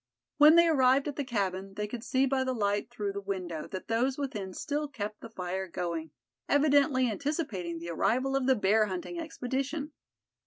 When they arrived at the cabin they could see by the light through the window that those within still kept the fire going, evidently anticipating the arrival of the bear hunting expedition.